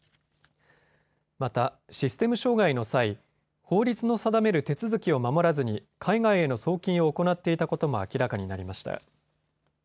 またシステム障害の際、法律の定める手続きを守らずに海外への送金を行っていたことも明らかになりました。